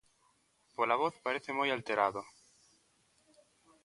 Pola voz parece moi alterado...